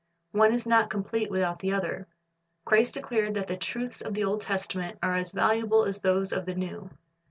One is not complete without the other. Christ declared that the truths of the Old Testament are as valuable as those of the New.